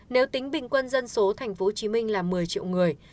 nếu tính bình quân dân số tp hcm là một mươi triệu người